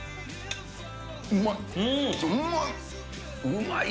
うまい！